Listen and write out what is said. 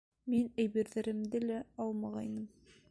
Мин әйберҙәремде лә алмағайным...